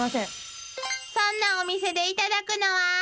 ［そんなお店でいただくのは］わ！